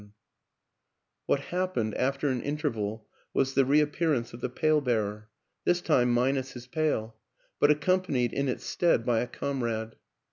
158 WILLIAM AN ENGLISHMAN What happened, after an interval, was the re appearance of the pail bearer, this time minus his pail, but accompanied, in its stead, by a comrade.